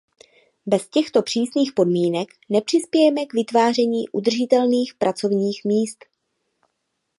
Bez těchto přísných podmínek nepřispějeme k vytváření udržitelných pracovních míst.